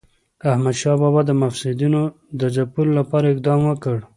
احمدشاه بابا د مفسدینو د ځپلو لپاره اقدام وکړ.